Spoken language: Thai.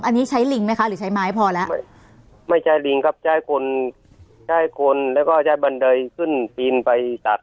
อันนี้ใช้ลิงไหมคะหรือใช้ไม้พอแล้วไม่ใช้ลิงครับใช้คนใช้คนแล้วก็ใช้บันไดขึ้นปีนไปตัด